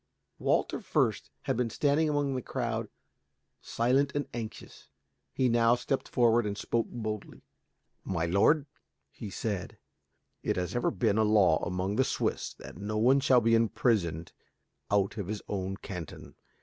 Walter Fürst had been standing among the crowd silent and anxious. Now he stepped forward and spoke boldly. "My lord," he said, "it has ever been a law among the Swiss that no one shall be imprisoned out of his own canton.